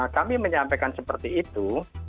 kami menyampaikan seperti itu